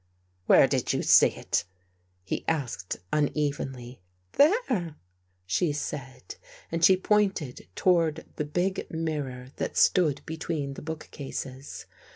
"Where did you see it?" he asked unevenly. " There," she said, and she pointed toward the big mirror that stood between the bookcases.